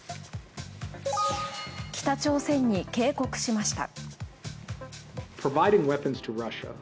北朝鮮に警告しました。